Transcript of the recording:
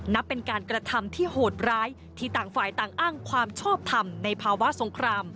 นับเป็นการกระทำที่โหดร้ายที่ต่างฝ่ายต่างอ้างความชอบทำในภาวะสงคราม